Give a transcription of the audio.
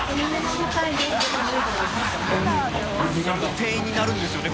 店員になるんですよね